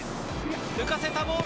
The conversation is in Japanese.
浮かせたボール。